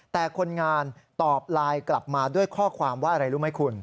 แต่คนงานตอบไลน์กลับมาด้วยข้อความว่าอะไรรู้ไหมคุณ